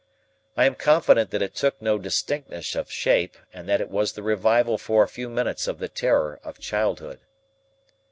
I am confident that it took no distinctness of shape, and that it was the revival for a few minutes of the terror of childhood.